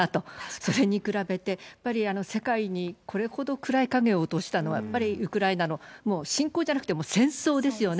それに比べて、やっぱり世界にこれほど暗い影を落としたのは、やっぱりウクライナの、侵攻じゃなくて戦争ですよね。